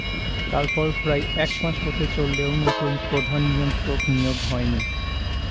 তারপর প্রায় এক মাস হতে চললেও নতুন প্রধান নিয়ন্ত্রক নিয়োগ হয়নি।